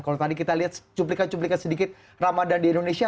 kalau tadi kita lihat cuplikan cuplikan sedikit ramadan di indonesia